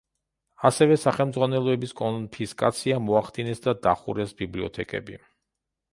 ასევე სახელმძღვანელოების კონფისკაცია მოახდინეს და დახურეს ბიბლიოთეკები.